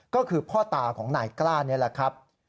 ก็คือพ่อตาของนายกล้านี่แหละครับ